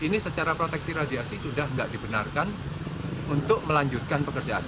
ini secara proteksi radiasi sudah tidak dibenarkan untuk melanjutkan pekerjaan